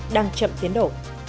đang chậm tiến đổ